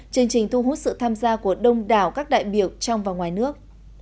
chương trình thu hút sự tham gia của đông đảo các đại biểu trong và ngoài nước